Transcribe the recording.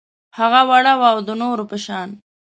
هغه وړه وه او د نورو په شان